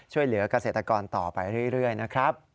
ช่วยเหลือกเกษตรกรต่อไปเรื่อยนะครับ